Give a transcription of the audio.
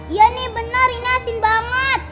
iya nih benar ini asin banget